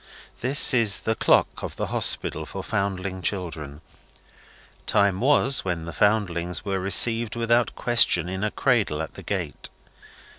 This is the clock of the Hospital for Foundling Children. Time was, when the Foundlings were received without question in a cradle at the gate.